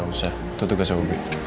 gak usah itu tugas aku